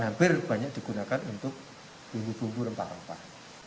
hampir banyak digunakan untuk bumbu bumbu rempah rempah